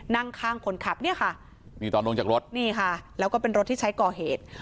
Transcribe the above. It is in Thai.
นั่งข้างคนขับนี่ค่ะนี่ค่ะแล้วก็เป็นรถที่ใช้ก่อเหตุ